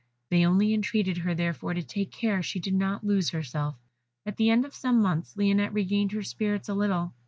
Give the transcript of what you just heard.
They only entreated her, therefore, to take care she did not lose herself. At the end of some months, Lionette regained her spirits a little.